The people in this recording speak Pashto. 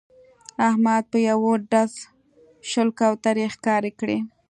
احمد په یوه ډز شل کوترې ښکار کړې